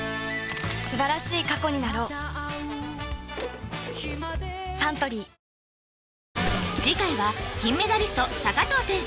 素晴らしい過去になろう次回は金メダリスト藤選手